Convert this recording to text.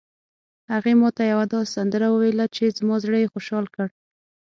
هغې ما ته یوه داسې سندره وویله چې زما زړه یې خوشحال کړ